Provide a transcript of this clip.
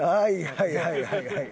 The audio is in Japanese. はいはいはいはい。